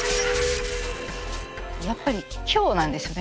やっぱり今日なんですよね。